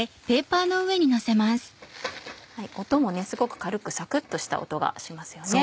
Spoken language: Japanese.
音もすごく軽くサクっとした音がしますよね。